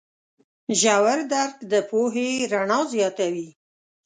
ژور درک د پوهې رڼا زیاتوي.